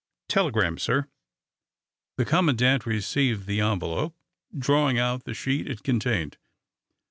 "Telegram, sir." The commandant received the envelope, drawing out the sheet it contained.